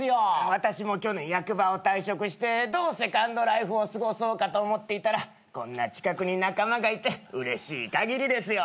私も去年役場を退職してどうセカンドライフを過ごそうかと思っていたらこんな近くに仲間がいてうれしい限りですよ。